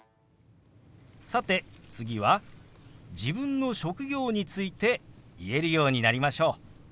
さて次は自分の職業について言えるようになりましょう。